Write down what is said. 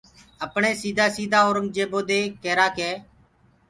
اپڻيٚ سيٚدآ سيٚدآ اورنٚگجيبو دي ڪيٚرآ ڪي